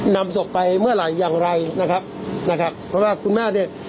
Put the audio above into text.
นำศพไปเมื่อไหร่อย่างไรนะครับนะครับเพราะว่าคุณแม่เนี่ย